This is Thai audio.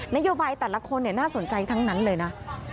นโยบายแต่ละคนน่าสนใจทั้งนั้นเลยนะ